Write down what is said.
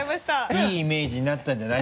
いいイメージになったんじゃない？